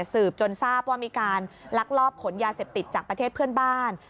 สืบจนทราบว่ามีการลักลอบขนยาเสพติดจากประเทศเพื่อนบ้าน